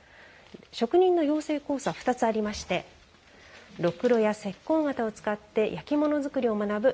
職人の養成コースは２つありましてろくろや石こう型を使って焼き物作りを学ぶ